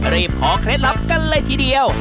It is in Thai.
รีบขอเคล็ดลับกันเลยทีเดียว